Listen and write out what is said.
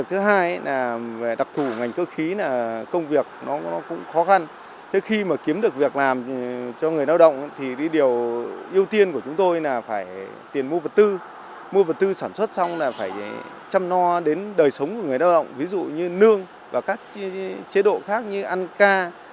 trong việc làm cho người lao động thì điều ưu tiên của chúng tôi là phải tiền mua vật tư mua vật tư sản xuất xong là phải chăm no đến đời sống của người lao động ví dụ như nương và các chế độ khác như ăn ca